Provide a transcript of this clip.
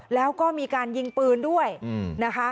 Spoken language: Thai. แล้วก็มีการยิงปืนด้วยนะคะ